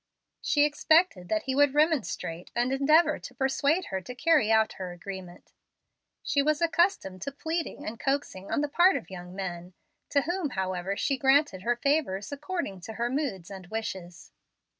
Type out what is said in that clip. She expected that he would remonstrate, and endeavor to persuade her to carry out her agreement. She was accustomed to pleading and coaxing on the part of young men, to whom, however, she granted her favors according to her moods and wishes.